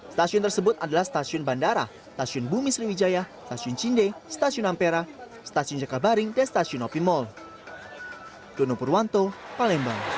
stasiun tersebut adalah stasiun bandara stasiun bumi sriwijaya stasiun cinde stasiun ampera stasiun jakabaring dan stasiun opmol